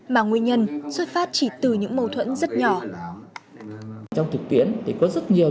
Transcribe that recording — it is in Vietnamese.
mà nguyên nhân xuất phát chỉ từ những mâu thuẫn rất nhỏ